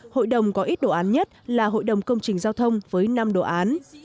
hội đồng có ít đồ án nhất là hội đồng công trình giao thông với năm đồ án